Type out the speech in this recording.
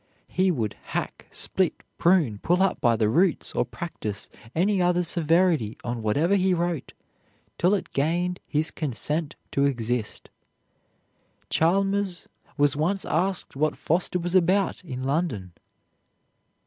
He would hack, split, prune, pull up by the roots, or practise any other severity on whatever he wrote, till it gained his consent to exist. Chalmers was once asked what Foster was about in London.